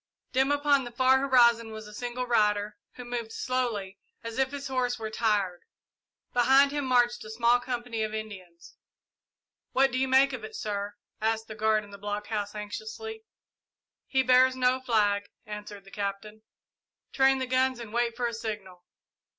Dim upon the far horizon was a single rider, who moved slowly, as if his horse were tired. Behind him marched a small company of Indians. "What do you make of it, sir?" asked the guard in the blockhouse, anxiously. "He bears no flag," answered the Captain. "Train the guns and wait for a signal."